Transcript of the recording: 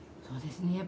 そうですね。